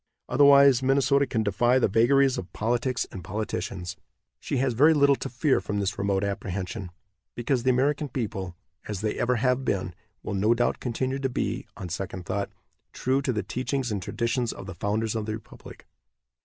Otherwise Minnesota can defy the vagaries of politics and politicians. She has very little to fear from this remote apprehension, because the American people, as they ever have been, will no doubt continue to be, on second thought, true to the teachings and traditions of the founders of the republic.